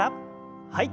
はい。